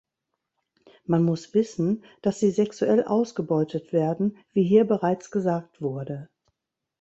Man muss wissen, dass sie sexuell ausgebeutet werden, wie hier bereits gesagt wurde.